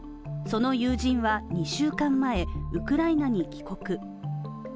その友人は２週間前、ウクライナに帰国。